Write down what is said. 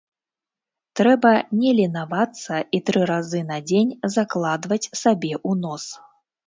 Трэба не ленавацца і тры разы на дзень закладваць сабе у нос.